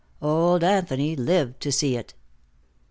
Old Anthony lived to see it.